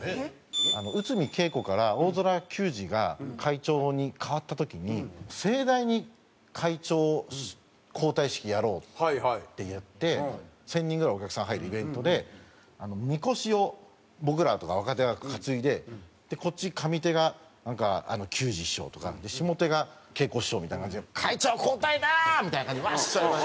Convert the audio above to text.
内海桂子から青空球児が会長に代わった時に盛大に会長交代式やろうっていって１０００人ぐらいお客さんが入るイベントでみこしを僕らとか若手が担いでこっち上手が球児師匠とか下手が桂子師匠みたいな感じで「会長交代だ！」みたいな感じでワッショイ。